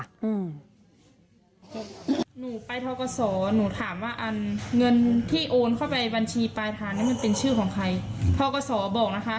คือหนูอยากจะถามว่าเวลาเอาเงินไปฝากค่ะ